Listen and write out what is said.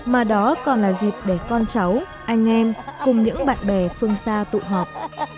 mà đó còn là dịp để con cháu anh em cùng những bạn bè phương xa tụ họp